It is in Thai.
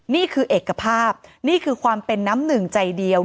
นี่คือเอกภาพนี่คือความเป็นน้ำหนึ่งใจเดียว